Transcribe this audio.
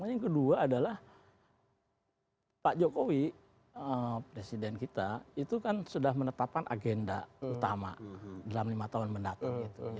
yang kedua adalah pak jokowi presiden kita itu kan sudah menetapkan agenda utama dalam lima tahun mendatang